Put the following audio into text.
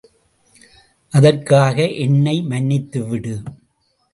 அதற்காக என்னை மன்னித்துவிடு.